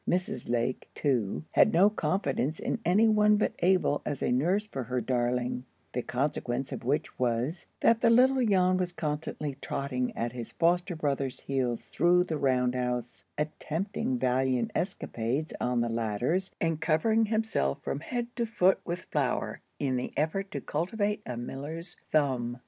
Mrs. Lake, too, had no confidence in any one but Abel as a nurse for her darling; the consequence of which was, that the little Jan was constantly trotting at his foster brother's heels through the round house, attempting valiant escalades on the ladders, and covering himself from head to foot with flour in the effort to cultivate a miller's thumb.